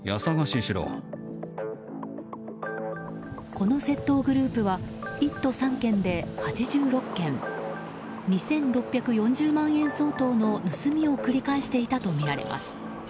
この窃盗グループは１都３県で８６件２６４０万円相当の盗みを繰り返していたとみられます。